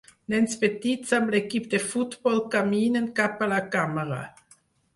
Nens petits amb l'equip de futbol caminen cap a la càmera.